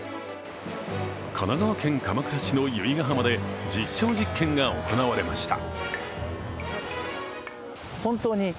神奈川県鎌倉市の由比ガ浜で実証実験が行われました。